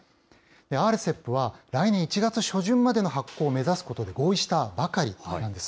ＲＣＥＰは来年１月初旬までの発行を目指すことで合意したばかりなんです。